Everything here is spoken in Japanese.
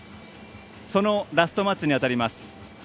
そのラストマッチにあたります。